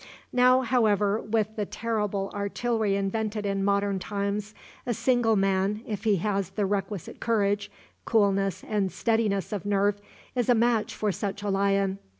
Now, however, with the terrible artillery invented in modern times, a single man, if he has the requisite courage, coolness, and steadiness of nerve, is a match for such a lion.